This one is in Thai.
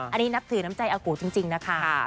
อันนี้นับถือน้ำใจอากูจริงนะคะ